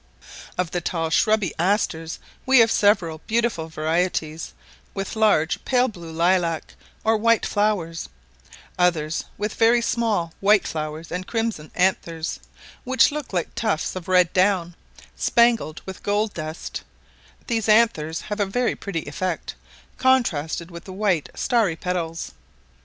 Of the tall shrubby asters, we have several beautiful varieties, with large pale blue lilac, or white flowers; others with very small white flowers and crimson anthers, which look like tufts of red down, spangled with gold dust; these anthers have a pretty effect, contrasted with the white starry petals.